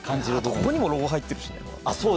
ここにもロゴが入ってる。